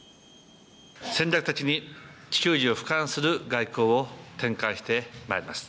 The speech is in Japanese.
戦略的に地球儀をふかんする外交を展開してまいります。